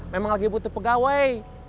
memang lagi butuh pegawai